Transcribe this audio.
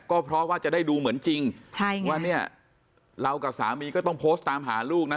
ก็เพราะว่าจะได้ดูเหมือนจริงว่าเนี่ยเรากับสามีก็ต้องโพสต์ตามหาลูกนะ